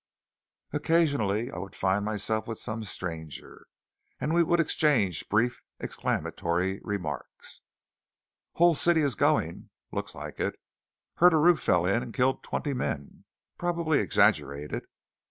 Occasionally I would find myself with some stranger, and we would exchange brief exclamatory remarks. "Whole city is going!" "Looks like it." "Hear a roof fell in and killed twenty men." "Probably exaggerated."